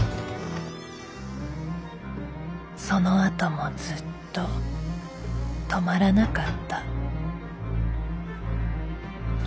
そのあともずっと止まらなかった。